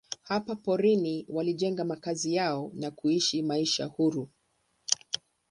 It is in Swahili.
Hapa porini walijenga makazi yao na kuishi maisha huru.